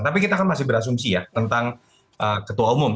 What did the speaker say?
tapi kita kan masih berasumsi ya tentang ketua umum